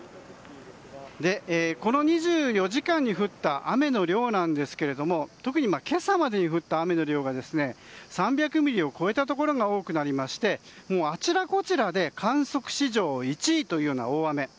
この２４時間に降った雨の量なんですが特に今朝までに降った雨の量が３００ミリを超えたところが多くなりましてあちらこちらで観測史上１位というような大雨。